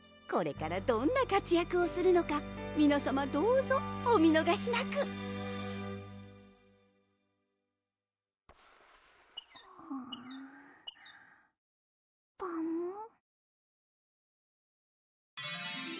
これからどんな活躍をするのか皆さまどうぞお見のがしなくパム？